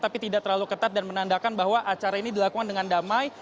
tapi tidak terlalu ketat dan menandakan bahwa acara ini dilakukan dengan damai